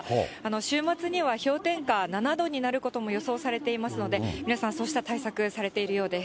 週末には氷点下７度になることも予想されていますので、皆さん、そうした対策されているようです。